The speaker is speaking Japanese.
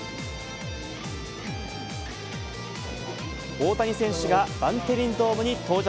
大谷選手がバンテリンドームに到着。